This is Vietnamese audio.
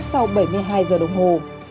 sau bảy mươi hai giờ đồng hồ